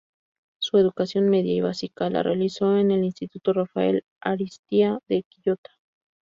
Su educación media y básica la realizó en el Instituto Rafael Ariztía de Quillota.